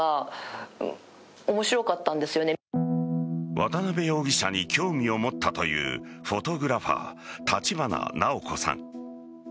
渡辺容疑者に興味を持ったというフォトグラファー立花奈央子さん。